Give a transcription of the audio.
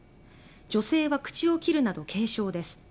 女性は口を切るなど軽傷です。